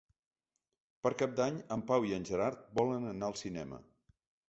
Per Cap d'Any en Pau i en Gerard volen anar al cinema.